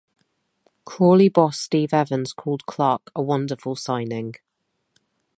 Crawley boss Steve Evans called Clarke a wonderful signing.